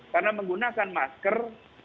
karena menggunakan masker